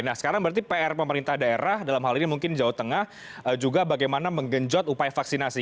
nah sekarang berarti pr pemerintah daerah dalam hal ini mungkin jawa tengah juga bagaimana menggenjot upaya vaksinasi